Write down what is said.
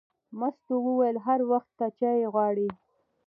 مستو وویل: هر وخت ته چای غواړې.